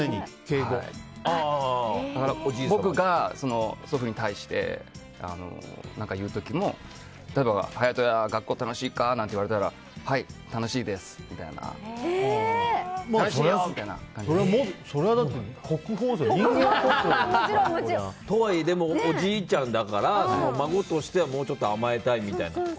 僕が祖父に対して何か言う時も例えば、勇人学校楽しいか？って聞かれたらはい楽しいです、みたいな。とはいえ、おじいちゃんだから孫としてはもうちょっと甘えたいみたいなのは？